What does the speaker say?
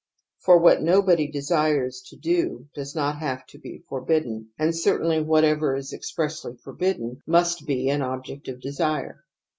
For what nobody desires to do does not have to be forbidden, and certainly whatever is expressly forbidden must be an object of desire.